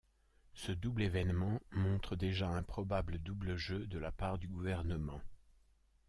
Ce double événement montre déjà un probable double-jeu de la part du gouvernement.